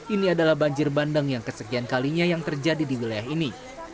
ini adalah banjir bandang yang kesekian kalinya yang terjadi di wilayah ini